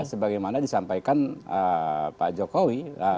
sebagaimana disampaikan pak jokowi